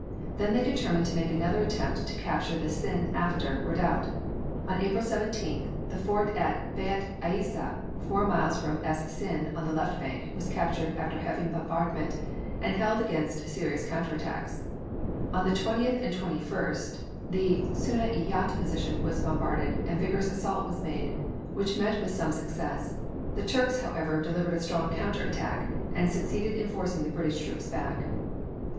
They then determined to make another attempt to capture the Sinn After redoubt. On April 17th the fort of Beit Aiessa, four miles from Es Sinn, on the left bank, was captured after heavy bombardment, and held against serious counter attacks. On the 20th and 21st the Sanna i yat position was bombarded and a vigorous assault was made, which met with some success. The Turks, however, delivered a strong counter attack, and succeeded in forcing the British troops back.